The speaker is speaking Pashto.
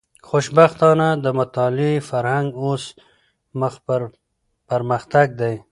خوشبختانه، د مطالعې فرهنګ اوس مخ پر پرمختګ دی.